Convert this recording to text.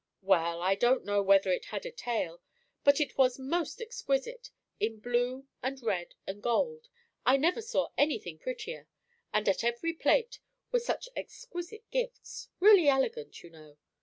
"Well, I don't know whether it had a tail, but it was most exquisite; in blue and red and gold; I never saw anything prettier. And at every plate were such exquisite gifts! really elegant, you know.